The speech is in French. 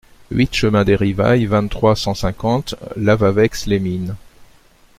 huit chemin des Rivailles, vingt-trois, cent cinquante, Lavaveix-les-Mines